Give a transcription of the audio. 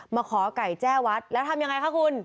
มาขอไก่แจ้วัดแล้วทำยังไงคะคุณ